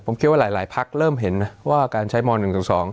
ผมคิดว่าหลายภักดิ์เริ่มเห็นนะว่าการใช้มาตรา๑๑๒